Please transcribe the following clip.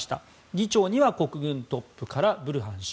議長には国軍トップからブルハン氏。